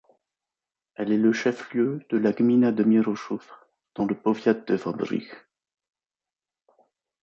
Elle est le chef-lieu de la gmina de Mieroszów, dans le powiat de Wałbrzych.